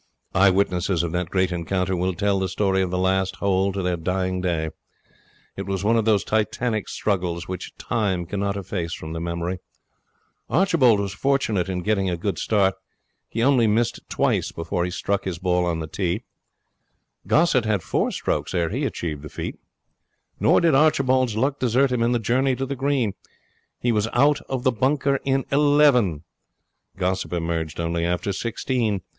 Eye witnesses of that great encounter will tell the story of the last hole to their dying day. It was one of those Titanic struggles which Time cannot efface from the memory. Archibald was fortunate in getting a good start. He only missed twice before he struck his ball on the tee. Gossett had four strokes ere he achieved the feat. Nor did Archibald's luck desert him in the journey to the green. He was out of the bunker in eleven. Gossett emerged only after sixteen.